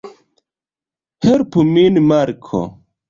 Helpu min, Marko!